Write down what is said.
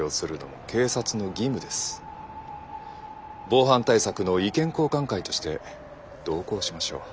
防犯対策の意見交換会として同行しましょう。